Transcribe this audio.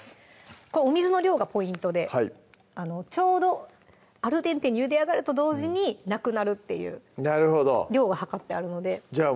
これお水の量がポイントでちょうどアルデンテにゆで上がると同時になくなるっていう量が量ってあるのでじゃあ